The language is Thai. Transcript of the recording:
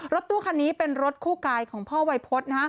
รถตู้คันนี้เป็นรถคู่กายของพ่อวัยพฤษ